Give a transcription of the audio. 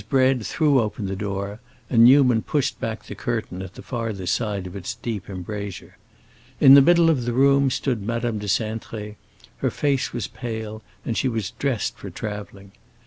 Bread threw open the door, and Newman pushed back the curtain at the farther side of its deep embrasure. In the middle of the room stood Madame de Cintré; her face was pale and she was dressed for traveling.